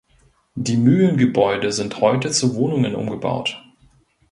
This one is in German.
Die Mühlengebäude sind heute zu Wohnungen umgebaut.